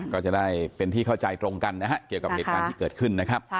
ก็จะได้เป็นที่เข้าใจตรงกันนะฮะเกี่ยวกับเหตุการณ์ที่เกิดขึ้นนะครับ